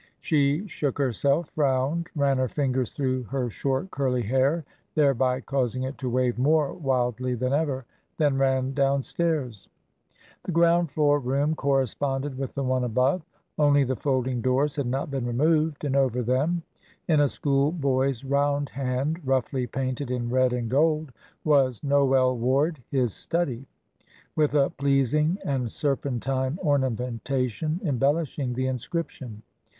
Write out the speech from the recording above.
She shook herself, frowned, ran her fingers through her short, curly hair, thereby causing it to wave more wildly than ever then ran downstairs. The ground floor room corresponded with the one above only the folding doors had not been removed, and over them, in a schoolboy's round hand, roughly painted in red and gold, was "Noel Ward, His Study," with a pleasing and serpentine ornamentation embellishing the inscription.